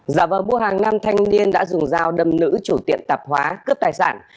giả vờ mua hàng năm thanh niên đã dùng dao đâm nữ chủ tiện tạp hóa cướp tài sản